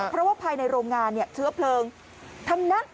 เพราะว่าภายในโรงงานเชื้อเพลิงทั้งนั้น